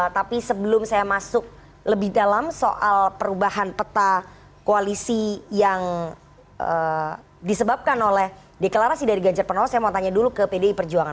tapi sebelum saya masuk lebih dalam soal perubahan peta koalisi yang disebabkan oleh deklarasi dari ganjar pranowo saya mau tanya dulu ke pdi perjuangan